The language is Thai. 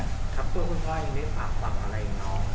ครับคุณพ่อยังได้ฝากอะไรน้องไว้ไหมครับ